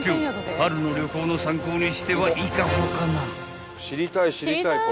春の旅行の参考にしては伊香保かな］